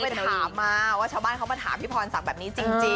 ไปถามมาว่าชาวบ้านเขามาถามพี่พรศักดิ์แบบนี้จริง